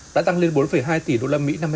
đã tăng lên bốn hai tỷ usd năm hai nghìn hai mươi ba